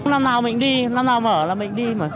năm nào mình đi năm nào mở là mình đi mà